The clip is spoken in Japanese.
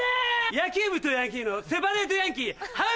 野球部とヤンキーのセパレートヤンキー。